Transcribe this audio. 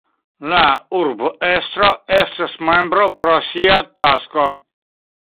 La urbestro estas membro pro sia tasko.